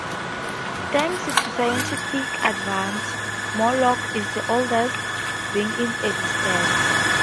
Thanks to scientific advances, Morlock is the oldest being in existence.